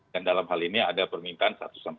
dan dalam hal ini ada permintaan satu lima belas